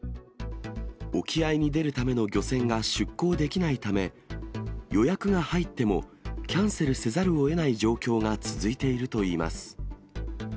沖合に出るための漁船が出港できないため、予約が入っても、キャンセルせざるをえない状況が続いているといいます。